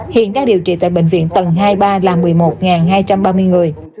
hiện đang điều trị tại bệnh viện tầng hai mươi ba là một mươi một hai trăm ba mươi người